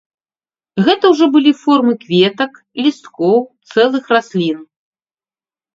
Гэта ўжо былі формы кветак, лісткоў, цэлых раслін.